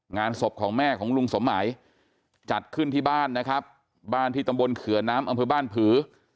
งานศพของแม่ของลุงสมหมายจัดขึ้นที่บ้านนะครับบ้านที่ตำบลเขือน้ำอำเภอบ้านผือ